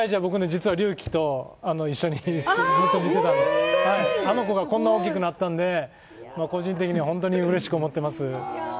実は隆輝と一緒に見てて、あの子がこんなに大きくなったので個人的には本当にうれしく思っています。